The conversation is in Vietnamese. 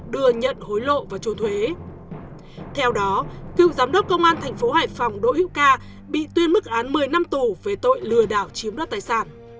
đưa nhận hối lộ và trô thuế theo đó cựu giám đốc công an thành phố hoài phòng đỗ hữu ca bị tuyên mức án một mươi năm tù về tội lừa đảo chiếm đốt tài sản